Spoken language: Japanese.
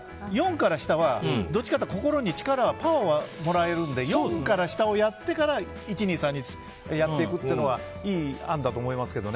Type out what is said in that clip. だから４から下はどちらかというと、心にパワーをもらえるので４から下をやってから１、２、３やっていくのはいい案だと思います。